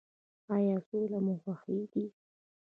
ایا سوله مو خوښیږي؟